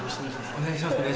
お願いします。